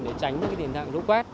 để tránh những cái tiền thạng rũ quét